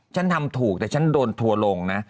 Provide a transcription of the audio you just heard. ฉันทำถูกแต่ฉันโดนทัวร์ลงนะ